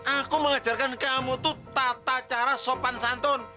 aku mengajarkan kamu itu tata cara sopan santun